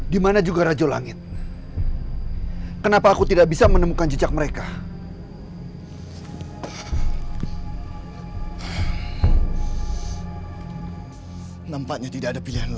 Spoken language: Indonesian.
di mana juga rajo langit di mana aku marah